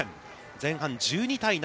前半１２対７。